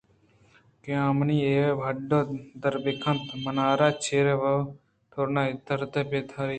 کہ آمنی اے ہَڈّءَ در بہ کنت ءُ منارا چرے توٛرناکیں درد ءَ بِہ پِرّ ینیت